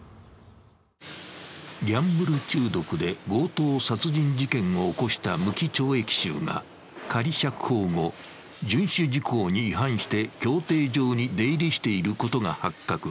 ギャンブル中毒で強盗殺人事件を起こした無期懲役囚が仮釈放後、遵守事項に違反して競艇場に出入りしていることが発覚。